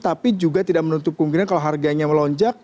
tapi juga tidak menutup kemungkinan kalau harganya melonjak